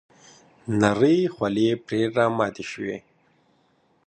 نرۍ خولې پر راماتې شوې .